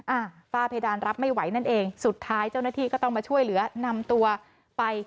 ฝ้าเพดานรับไม่ไหวนั่นเองสุดท้ายเจ้าหน้าที่ก็ต้องมาช่วยเหลือนำตัวไป